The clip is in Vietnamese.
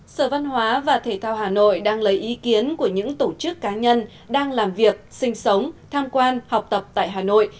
sở văn hóa và thể thao hà nội đang lấy ý kiến của những tổ chức cá nhân đang làm việc sinh sống tham quan học tập tại hà nội